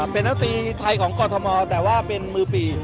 เป็นน้ำตีไทยของกอทมแต่ว่ามือปี่